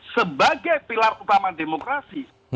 lagi pilar utama demokrasi